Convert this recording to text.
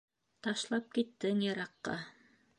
—Ташлап киттең, йыраҡҡа.